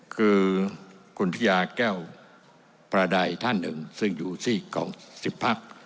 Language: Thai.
คือคุณพิยาแก้วประใดท่านหนึ่งซึ่งอยู่ซีกของ๑๐พัก